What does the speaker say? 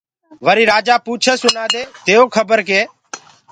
وريٚ رآجآ پوٚڇس اُنآدي ديئو کبر ڪي